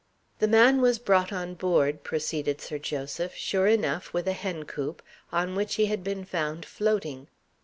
"The man was brought on board," proceeded Sir Joseph, "sure enough, with a hen coop on which he had been found floating.